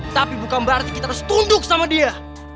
tapi bukan berarti kita harus tunduk sama dia